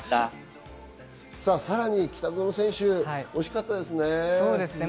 さらに北園選手、惜しかったですね。